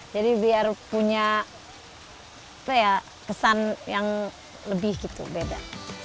jadi biar punya pesan yang lebih gitu beda